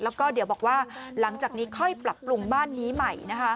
แล้วก็เดี๋ยวบอกว่าหลังจากนี้ค่อยปรับปรุงบ้านนี้ใหม่